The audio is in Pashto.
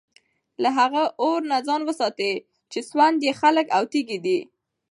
له هغه اور نه ځان وساتئ چي سوند ئې خلك او تيږي دي